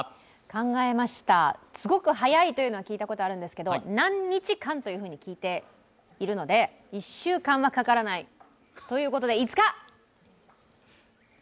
考えました、すごく早いというのは聞いたことがあるんですけど、何日間と聞いているので１週間はかからないということで、５日！